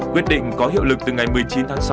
quyết định có hiệu lực từ ngày một mươi chín tháng sáu